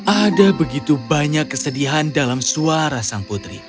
ada begitu banyak kesedihan dalam suara sang putri